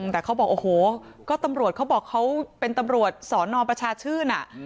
แต่เขาบอกโอ้โหก็ตำรวจเขาบอกเขาเป็นตำรวจสอนอประชาชื่น